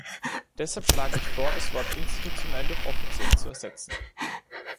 Deshalb schlage ich vor, das Wort "institutionell" durch "offiziell" zu ersetzen.